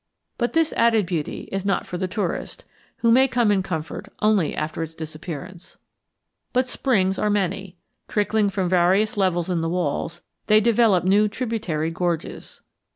But this added beauty is not for the tourist, who may come in comfort only after its disappearance. But springs are many. Trickling from various levels in the walls, they develop new tributary gorges.